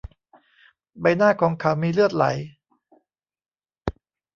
ใบหน้าของเขามีเลือดไหล